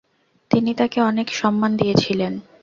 তিনি তাকে অনেক সম্মান দিয়েছিলেন।